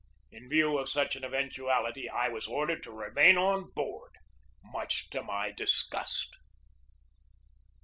In view of such an event uality I was ordered to remain on board, much to my disgust.